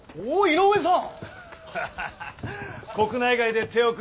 井上さん？